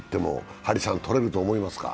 張さん、取れると思いますか？